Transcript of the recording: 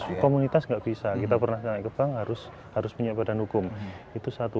kalau komunitas nggak bisa kita pernah naik ke bank harus harus punya badan hukum itu satu